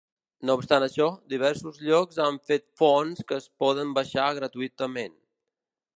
No obstant això, diversos llocs han fet fonts que es poden baixar gratuïtament.